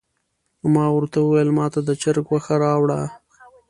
ما ورته وویل ماته د چرګ غوښه راوړه.